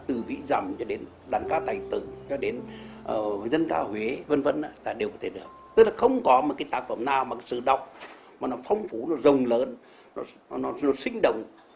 tức là không có một cái tác phẩm nào mà sự đọc mà nó phong phú nó rồng lớn nó sinh động